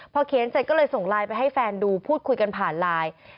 พอเขียนเสร็จก็เลยส่งไลน์ไปให้แฟนดูพูดคุยกันผ่านไลน์